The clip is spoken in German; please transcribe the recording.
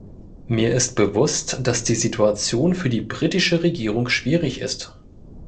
Mir ist bewusst, dass die Situation für die britische Regierung schwierig ist.